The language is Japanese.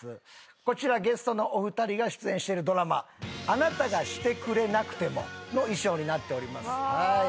こちらゲストのお二人が出演してるドラマ『あなたがしてくれなくても』の衣装になっております。